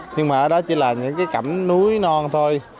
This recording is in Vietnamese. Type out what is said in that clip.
nhưng mà ở đó chỉ là những cái cẩm núi non thôi